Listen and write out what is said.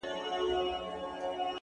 پاس پر پالنگه اكثر؛